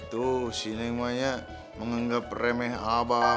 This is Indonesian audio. tuh sinemanya menganggap remeh abah